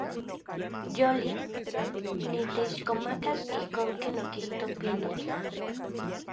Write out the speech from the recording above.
Yolik. Niteixkomakas ijkon ken okijto pinotl.